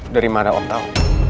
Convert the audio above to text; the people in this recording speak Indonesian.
dari mana om tau